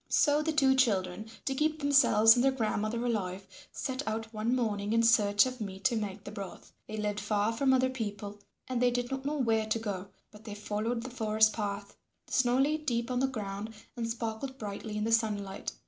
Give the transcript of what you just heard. So the two children, to keep themselves and their grandmother alive, set out one morning in search of meat to make the broth. They lived far from other people and they did not know where to go, but they followed the forest path. The snow lay deep on the ground and sparkled brightly in the sunlight.